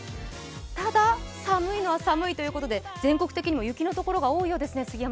ただ、寒いのは寒いということで、全国的にも雪のところが多いようですね。